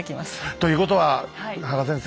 ということは芳賀先生